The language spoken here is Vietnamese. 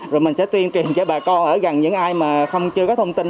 rồi mình sẽ tuyên truyền cho bà con ở gần những ai mà không chưa có thông tin